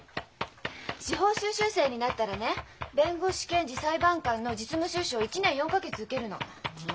司法修習生になったらね弁護士検事裁判官の実務修習を１年４か月受けるの。